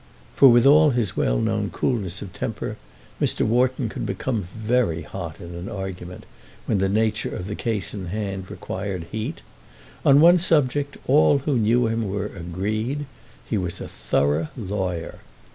For, with all his well known coolness of temper, Mr. Wharton could become very hot in an argument, when the nature of the case in hand required heat. On one subject all who knew him were agreed. He was a thorough lawyer.